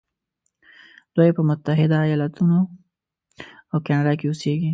دوی په متحده ایلاتو او کانادا کې اوسیږي.